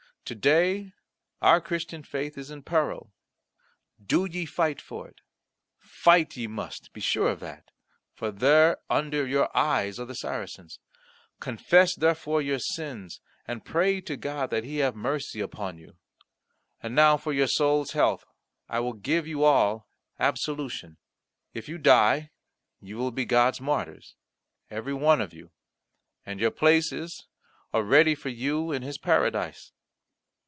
To day our Christian Faith is in peril: do ye fight for it. Fight ye must; be sure of that, for there under your eyes are the Saracens. Confess, therefore, your sins, and pray to God that He have mercy upon you. And now for your soul's health I will give you all absolution. If you die, you will be God's martyrs, every one of you, and your places are ready for you in His Paradise."